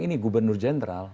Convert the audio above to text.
ini gubernur jenderal